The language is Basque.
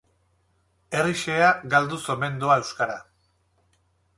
Herri xehea galduz omen doa euskara.